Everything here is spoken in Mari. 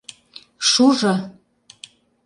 Шужо.